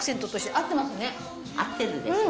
合ってるでしょ？